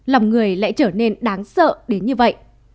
lòng người lại trở nên đáng sợ đến như vậy